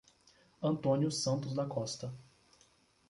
Antônio Santos da Costa